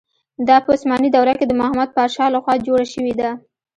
دا په عثماني دوره کې د محمد پاشا له خوا جوړه شوې ده.